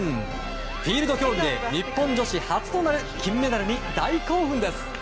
フィールド競技で日本女子初となる金メダルに大興奮です。